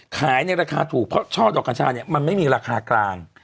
ขายในราคาถูกเพราะช่อดอกกัญชาเนี่ยมันไม่มีราคากลาง